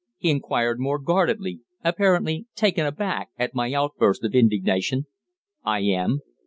he inquired more guardedly, apparently taken aback at my outburst of indignation. "I am."